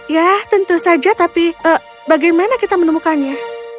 ya tentu saja tapi bagaimana kita menemukannya